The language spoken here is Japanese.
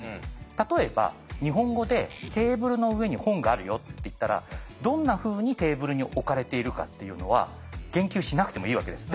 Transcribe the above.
例えば日本語で「テーブルの上に本があるよ」って言ったらどんなふうにテーブルに置かれているかっていうのは言及しなくてもいいわけです。